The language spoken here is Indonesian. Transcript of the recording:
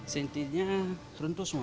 sintinya runtuh semua